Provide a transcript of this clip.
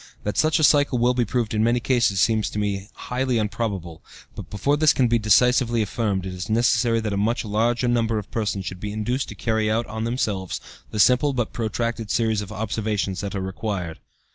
That such a cycle will be proved in many cases seems to me highly probable, but before this can be decisively affirmed it is necessary that a much larger number of persons should be induced to carry out on themselves the simple, but protracted, series of observations that are required.